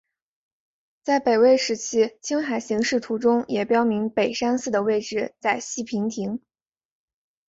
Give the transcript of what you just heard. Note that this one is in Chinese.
在北魏时期青海形势图中也标明北山寺的位置在西平亭。